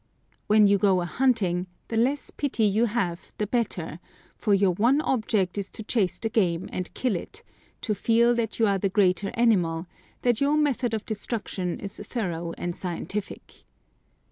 When you go a hunting, the less pity you have the better; for your one object is to chase the game and kill it, to feel that you are the greater animal, that your method of destruction is thorough and scientific.